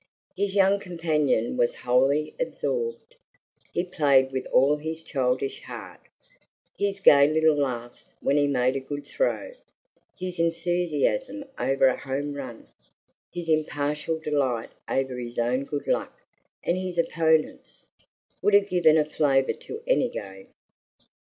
His young companion was wholly absorbed; he played with all his childish heart; his gay little laughs when he made a good throw, his enthusiasm over a "home run," his impartial delight over his own good luck and his opponent's, would have given a flavor to any game.